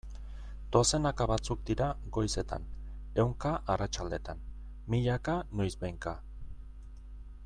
Dozenaka batzuk dira goizetan, ehunka arratsaldetan, milaka noizbehinka...